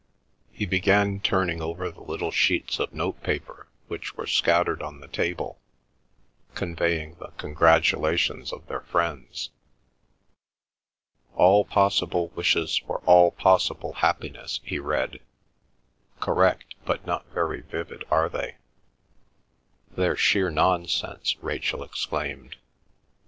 He began turning over the little sheets of note paper which were scattered on the table, conveying the congratulations of their friends. "'—all possible wishes for all possible happiness,'" he read; "correct, but not very vivid, are they?" "They're sheer nonsense!" Rachel exclaimed.